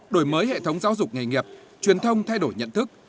đổi mới hệ thống giáo dục nghề nghiệp truyền thông thay đổi nhận thức